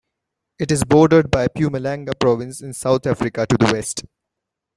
It is bordered by the Mpumalanga province in South Africa to the west.